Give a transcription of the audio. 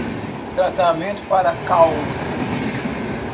Tratamento para calvície